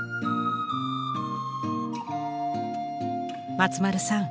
松丸さん